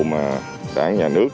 mà đảng nhà nước